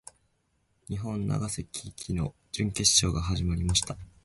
日本・永瀬貴規の準決勝が始まりました。